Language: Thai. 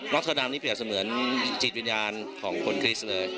สดามนี่เปรียบเสมือนจิตวิญญาณของคนคริสต์เลย